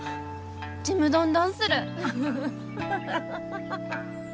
ちむどんどんする。